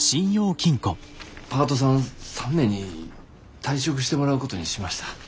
パートさん３名に退職してもらうことにしました。